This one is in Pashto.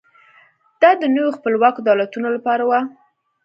دا د نویو خپلواکو دولتونو لپاره و.